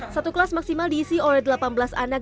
satu kelas maksimal diisi oleh delapan belas anak